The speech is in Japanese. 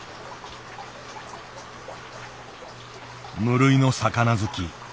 無類の魚好き。